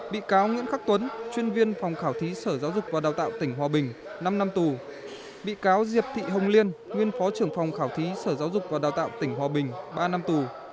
bị cáo nguyễn khắc tuấn chuyên viên phòng khảo thí sở giáo dục và đào tạo tỉnh hòa bình năm năm tù